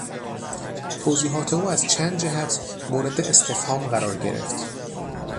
توضیحات او از چند جهت مورد استفهام قرار گرفت.